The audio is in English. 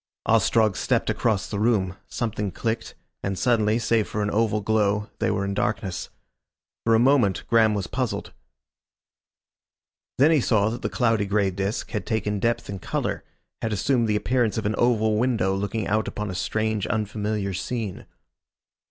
Ostrog stepped across the room, something clicked, and suddenly, save for an oval glow, they were in darkness. For a moment Graham was puzzled. Then he saw that the cloudy grey disc had taken depth and colour, had assumed the appearance of an oval window looking out upon a strange unfamiliar scene.